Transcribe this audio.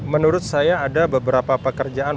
menurut saya ada beberapa pekerjaan